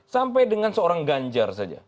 sampai dengan seorang ganjar saja